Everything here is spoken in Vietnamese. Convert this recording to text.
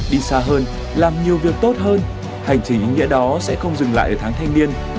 đi xa hơn làm nhiều việc tốt hơn hành trình ý nghĩa đó sẽ không dừng lại ở tháng thanh niên